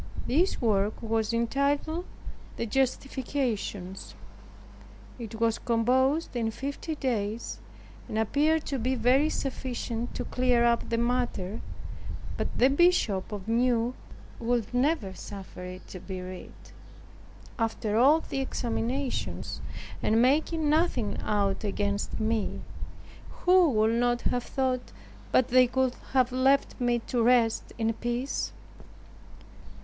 This work was entitled, 'THE JUSTIFICATIONS.' It was composed in fifty days, and appeared to be very sufficient to clear up the matter. But the Bishop of Meaux would never suffer it to be read. After all the examinations, and making nothing out against me, who would not have thought but they would have left me to rest in peace?